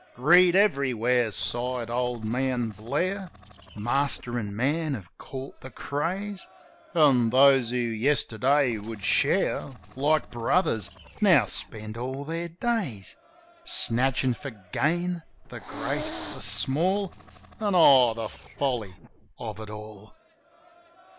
"Greed everywhere!" sighed old man Blair. "Master an' man have caught the craze; An' those who yesterday would share Like brothers, now spend all their days Snatchin' for gain — the great, the small. And, oh, the folly of it all